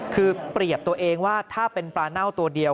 คือเปรียบตัวเองว่าถ้าเป็นปลาเน่าตัวเดียว